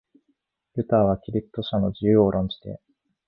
ルターはキリスト者の自由を論じて、